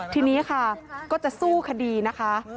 ทีนี้ค่ะก็จะสู้คดีนะคะ